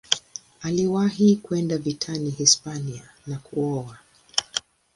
Aliwahi kwenda vitani Hispania na kuoa.